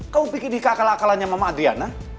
kau pikir di akal akalannya mama adriana